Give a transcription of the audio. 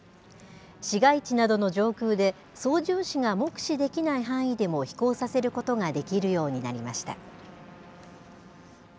市街地などの上空で、操縦士が目視できない範囲でも飛行させることができるようになりました。